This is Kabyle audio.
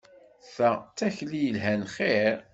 Ta d takti yelhan xir!